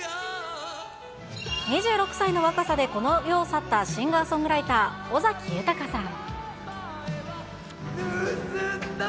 ２６歳の若さでこの世を去ったシンガーソングライター、尾崎豊さん。